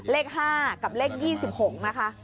เลข๕กับเลข๒๖นะคะ